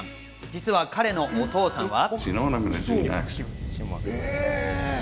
実のお父さんは。